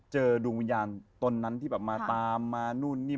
ดวงวิญญาณตนนั้นที่แบบมาตามมานู่นนี่